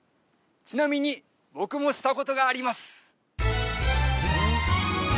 ちなみに僕もしたことがあります